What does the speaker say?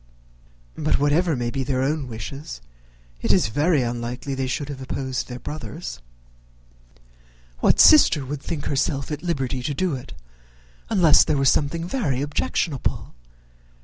But, whatever may be their own wishes, it is very unlikely they should have opposed their brother's. What sister would think herself at liberty to do it, unless there were something very objectionable?